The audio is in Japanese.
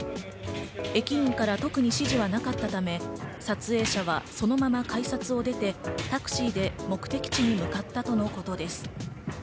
駅員から特に指示はなかったため、撮影者はそのまま改札を出てタクシーで目的地へ向かったとのことです。